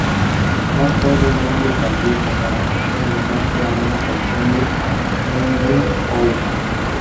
Más tarde el nombre cambió como un homenaje a una canción de Midnight Oil.